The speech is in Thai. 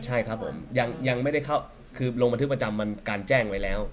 ใช่ครับผมยังไม่ได้เข้าคือลงบันทึกประจำวันการแจ้งไว้แล้ว